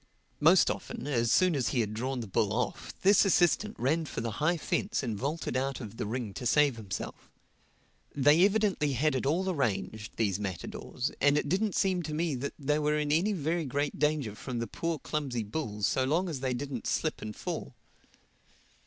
Most often, as soon as he had drawn the bull off, this assistant ran for the high fence and vaulted out of the ring to save himself. They evidently had it all arranged, these matadors; and it didn't seem to me that they were in any very great danger from the poor clumsy bull so long as they didn't slip and fall.